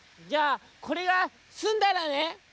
「じゃあこれがすんだらね」。